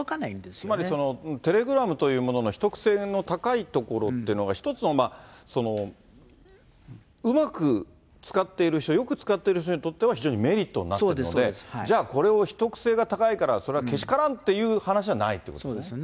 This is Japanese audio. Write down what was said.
つまりテレグラムというものの秘匿性の高いところっていうのが、１つのうまく使っている人、よく使っている人にとっては非常にメリットになってるので、じゃあこれを秘匿性が高いから、それはけしからんという話ではないということですね。